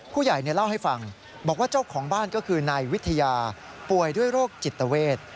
ผู้ใหญ่เล่าให้ฟังบอกว่าเจ้าของบ้านก็คือนายวิทยาป่วยด้วยโรคจิตเวท